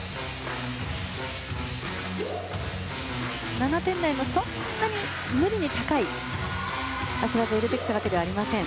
７点台のそんなに無理に高い脚技を入れてきたわけじゃありません。